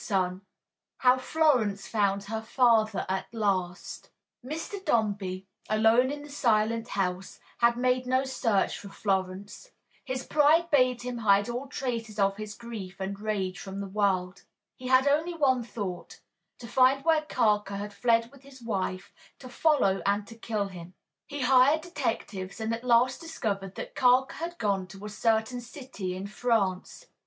IV HOW FLORENCE FOUND HER FATHER AT LAST Mr. Dombey, alone in the silent house, had made no search for Florence. His pride bade him hide all traces of his grief and rage from the world. He had only one thought to find where Carker had fled with his wife, to follow and to kill him. He hired detectives and at last discovered that Carker had gone to a certain city in France.